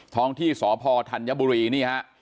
ท้องที่สพธัญบุรีนี่ฮะ